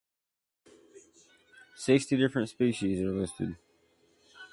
Sixty different species are listed.